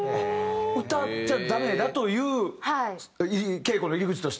歌っちゃダメだという稽古の入り口として。